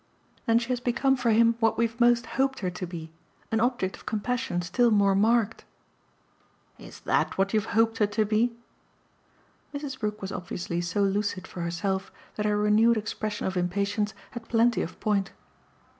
"Then she has become for him what we've most hoped her to be an object of compassion still more marked." "Is that what you've hoped her to be?" Mrs. Brook was obviously so lucid for herself that her renewed expression of impatience had plenty of point.